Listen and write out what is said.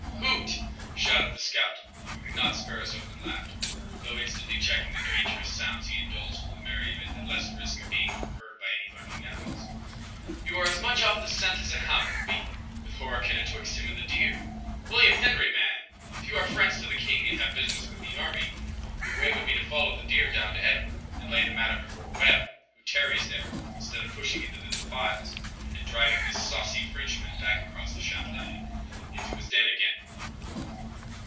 "Hoot!" shouted the scout, who did not spare his open laughter, though instantly checking the dangerous sounds he indulged his merriment at less risk of being overheard by any lurking enemies. "You are as much off the scent as a hound would be, with Horican atwixt him and the deer! William Henry, man! if you are friends to the king and have business with the army, your way would be to follow the river down to Edward, and lay the matter before Webb, who tarries there, instead of pushing into the defiles, and driving this saucy Frenchman back across Champlain, into his den again."